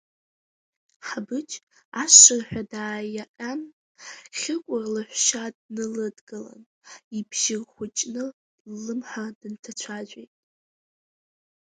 Ҳабыџь ашырҳәа дааиаҟьан, Хьыкәыр лаҳәшьа дналыдгылан, ибжьы рхәыҷны ллымҳа дынҭацәажәеит…